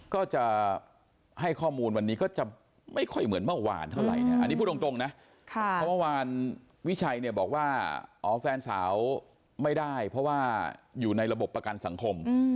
ก็จะให้ข้อมูลวันนี้ก็จะไม่ค่อยเหมือนเมื่อวานเท่าไหร่เนี่ยอันนี้พูดตรงนะเพราะเมื่อวานวิชัยเนี่ยบอกว่าอ๋อแฟนสาวไม่ได้เพราะว่าอยู่ในระบบประกันสังคม